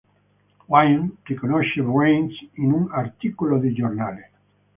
Wynn riconosce Rains in un articolo di giornale.